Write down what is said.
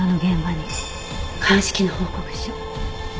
鑑識の報告書。